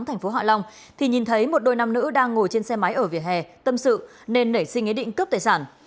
thành phố hạ long thì nhìn thấy một đôi nam nữ đang ngồi trên xe máy ở vỉa hè tâm sự nên nảy sinh ý định cướp tài sản